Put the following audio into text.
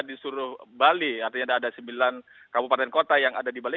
di seluruh bali artinya ada sembilan kabupaten kota yang ada di bali